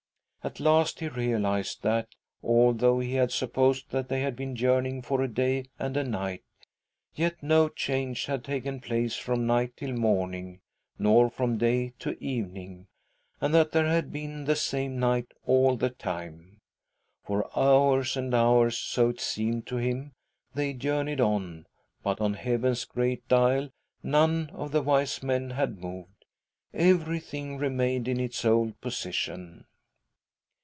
K At last he realised that, although he had supposed that they had been journeying for a day and a night, yet no ehange had taken place from night till morning nor from day to evening, and that there had been the same night all the time. For hours and hours, so it seemed to him, they journeyed on, buf on heaven's great dial none of the Wise. Men had moved— everything remained ■ in its old position.